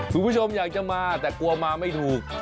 คุณผู้ชมอยากจะมาแต่กลัวมาไม่ถูก